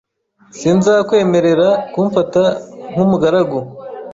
Sinzakwemerera kumfata nk'umugaragu.